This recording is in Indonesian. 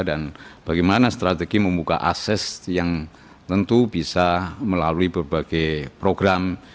dan bagaimana strategi membuka ases yang tentu bisa melalui berbagai program